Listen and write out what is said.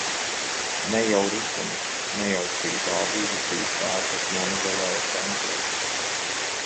Ne jau Ritenis, ne jau šī valdība bija tā, kas nonivelēja pensijas.